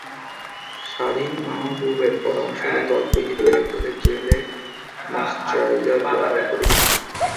শাদীন মাহবুরের পরামর্শ হলো, ত্বক বেশি তৈলাক্ত হলে জেল ময়েশ্চারাইজার ব্যবহার করুন।